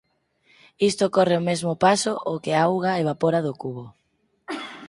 Isto ocorre ó mesmo paso o que a auga evapora do cubo.